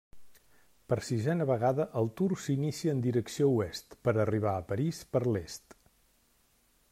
Per sisena vegada el Tour s'inicia en direcció oest, per arribar a París per l'est.